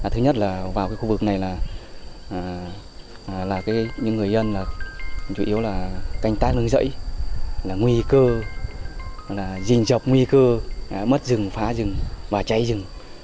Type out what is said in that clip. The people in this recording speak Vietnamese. thứ nhất là vào khu vực này là những người dân chủ yếu là canh tác nương dẫy là nguy cơ dình dọc nguy cơ mất rừng phá rừng và cháy rừng